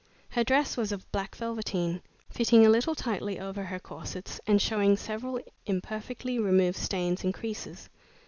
Her dress was of black velveteen, fitting a little tightly over her corsets, and showing several imperfectly removed stains and creases.